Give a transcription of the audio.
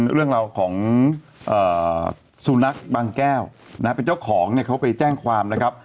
เรื่องราวของสุนัขบางแก้วนะเป็นเจ้าของเนี่ยเขาไปแจ้งความนะครับ